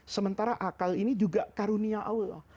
sementara akal ini juga karunia allah